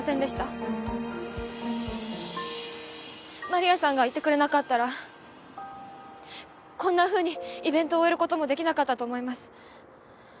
丸谷さんがいてくれなかったらこんなふうにイベントを終える事もできなかったと思います。